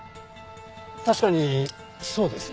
確かにそうですね。